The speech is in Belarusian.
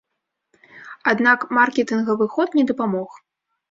Аднак маркетынгавы ход не дапамог.